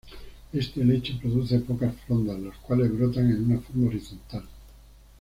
Este helecho produce pocas frondas, las cuales brotan en una forma horizontal.